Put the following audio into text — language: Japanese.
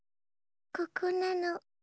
ここなの。